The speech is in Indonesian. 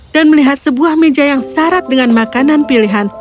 dan melihat sebuah meja yang syarat dengan makanan pilihan